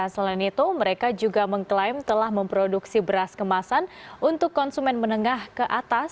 selain itu mereka juga mengklaim telah memproduksi beras kemasan untuk konsumen menengah ke atas